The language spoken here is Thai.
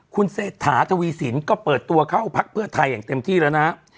คุณเศรษฐาทวีสินก็เปิดตัวเข้าพักเพื่อไทยอย่างเต็มที่แล้วนะครับ